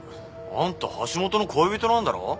あんた橋本の恋人なんだろ？